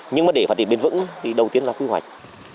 nhưng mà để phát triển bền vững thì đầu tiên là quy hoạch